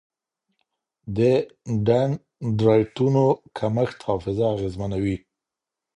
د ډنډرایټونو کمښت حافظه اغېزمنوي.